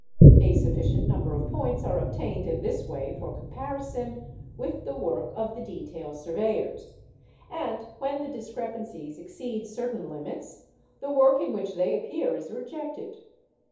A sufficient number of points are obtained in this way for comparison with the work of the detail surveyors; and when the discrepancies exceed certain limits, the work in which they appear is rejected.